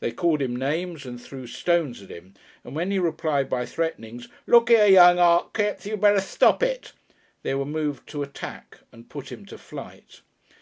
They called him names and threw stones at him, and when he replied by threatenings ("Look 'ere, young Art Kipth, you better thtoppit!") they were moved to attack and put him to flight.